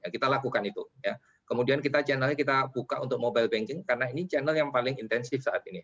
kita lakukan itu kemudian kita channelnya kita buka untuk mobile banking karena ini channel yang paling intensif saat ini